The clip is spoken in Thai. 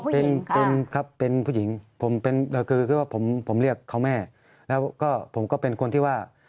เป็นเป็นครับเป็นผู้หญิงผมเป็นแล้วคือคือว่าผมผมเรียกเขาแม่แล้วก็ผมก็เป็นคนที่ว่า